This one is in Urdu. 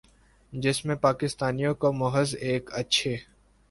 جس میں پاکستانیوں کو محض ایک اچھے